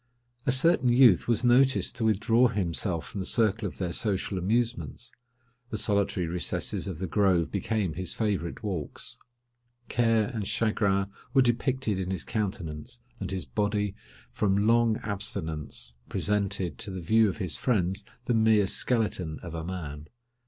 A certain youth was noticed to withdraw himself from the circle of their social amusements: the solitary recesses of the grove became his favourite walks. Care and chagrin were depicted in his countenance, and his body, from long abstinence, presented to the view of his friends the mere skeleton of a man.